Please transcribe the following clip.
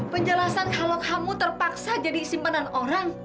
penjelasan kalau kamu terpaksa jadi simpanan orang